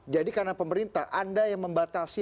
jadi karena pemerintah anda yang membatasi